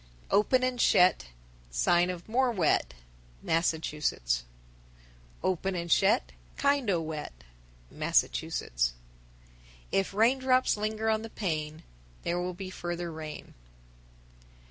_ 1030. Open and shet, Sign of more wet. Massachusetts. 1031. Open and shet, Kind o' wet. Massachusetts. 1032. If raindrops linger on the pane, There will be further rain.